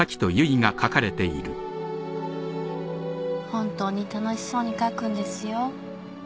本当に楽しそうに描くんですよ。